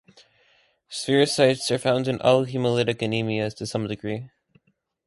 Spherocytes are found in all hemolytic anemias to some degree.